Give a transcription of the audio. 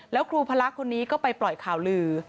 แล้วครูพระคนนี้ก็ไปปล่อยข่าวลือ